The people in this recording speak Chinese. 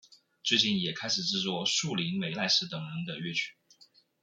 最近也开始制作栗林美奈实等人的乐曲。